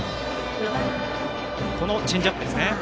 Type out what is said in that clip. チェンジアップですね。